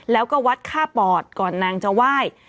แล้วก็วัดค่าปอดก่อนนางจะไหว้